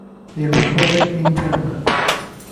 They recorded in German.